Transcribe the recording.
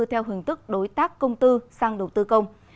theo hướng tức đối tác công tư sang đầu tư công